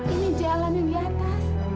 ini jalan yang di atas